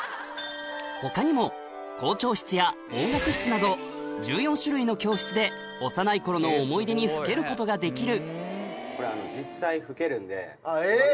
他にも校長室や音楽室などで幼い頃の思い出にふけることができる